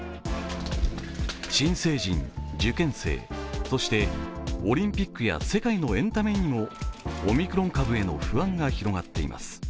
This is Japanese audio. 新成人、受験生、そしてオリンピックや世界のエンタメにもオミクロン株への不安が広がっています。